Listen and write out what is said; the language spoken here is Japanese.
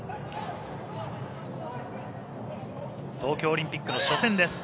東京オリンピックの初戦です。